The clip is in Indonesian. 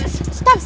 sampai dimana tadi